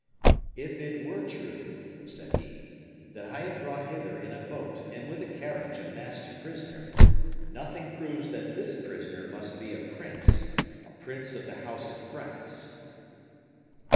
"If it were true," said he, "that I had brought hither in a boat and with a carriage a masked prisoner, nothing proves that this prisoner must be a prince a prince of the house of France."